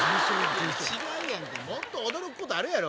違うやんかもっと驚くことあるやろ。